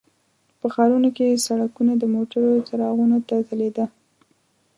په ښارونو کې سړکونه د موټرو څراغونو ته ځلیده.